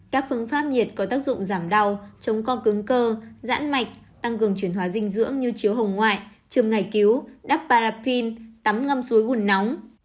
các phương pháp nhiệt có tác dụng giảm đau chống co cứng cơ giãn mạch tăng cường chuyển hóa dinh dưỡng như chiếu hồng ngoại trùm ngải cứu đắp paraffin tắm ngâm suối buồn nóng